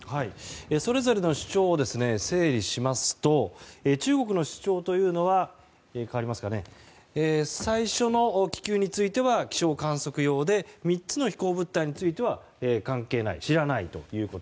それぞれの主張を整理しますと中国の主張というのは最初の気球については気象観測用で３つの飛行物体については関係ない知らないということ。